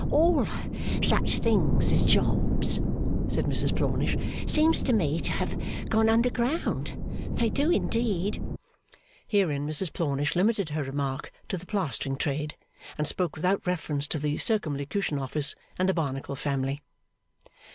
'All such things as jobs,' said Mrs Plornish, 'seems to me to have gone underground, they do indeed.' (Herein Mrs Plornish limited her remark to the plastering trade, and spoke without reference to the Circumlocution Office and the Barnacle Family.)